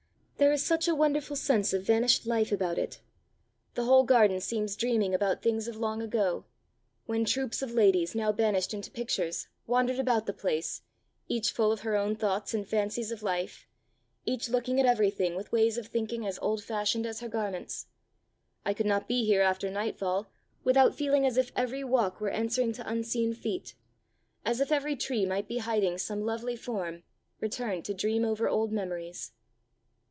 "There is such a wonderful sense of vanished life about it. The whole garden seems dreaming about things of long ago when troops of ladies, now banished into pictures, wandered about the place, each full of her own thoughts and fancies of life, each looking at everything with ways of thinking as old fashioned as her garments. I could not be here after nightfall without feeling as if every walk were answering to unseen feet, as if every tree might be hiding some lovely form, returned to dream over old memories."